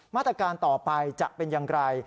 มาตรการต่อไปจะเป็นอย่างไร